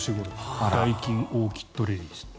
ダイキンオーキッドレディスって。